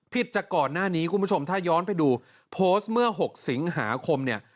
จากก่อนหน้านี้คุณผู้ชมถ้าย้อนไปดูโพสต์เมื่อ๖สิงหาคมเนี่ย